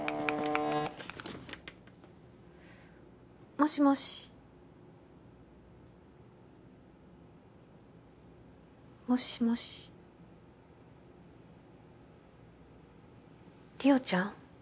もしもしもしもし莉桜ちゃん？